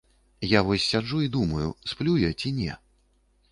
Я вось сяджу і думаю, сплю я ці не.